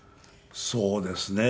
そうですね。